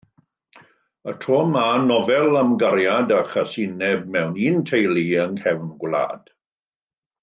Y tro yma, nofel am gariad a chasineb mewn un teulu yng nghefn gwlad.